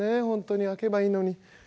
本当に開けばいいのに」。